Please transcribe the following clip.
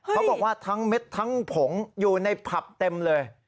เขาบอกว่าทั้งเม็ดทั้งผงอยู่ในผับเต็มเลย